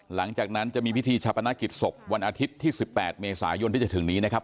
หลังจากนั้นจะมีพิธีชาปนกิจศพวันอาทิตย์ที่๑๘เมษายนที่จะถึงนี้นะครับ